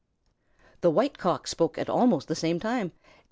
Page 142] The White Cock spoke at almost the same time.